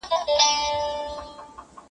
• هم پلرونه هم مو وړونه هم خپلوان دي..